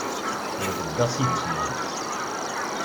Ur bdideɣ s idis-nwen.